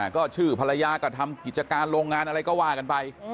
ก็ชื่อภรรยาก็ทำกิจการโรงงานอะไรก็ว่ากันไป